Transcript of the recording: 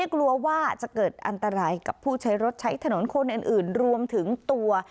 กลัวว่าจะเกิดอันตรายกับผู้ใช้รถใช้ถนนคนอื่นรวมถึงตัว